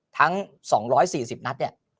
ทั้ง๒๔๐นัดเนี่ย